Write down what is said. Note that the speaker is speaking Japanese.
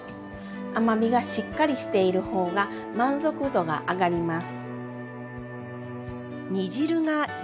甘みがしっかりしている方が満足度が上がります！